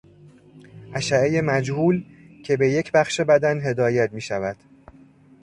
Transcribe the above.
اشعهی مجهول که به یک بخش بدن هدایت میشود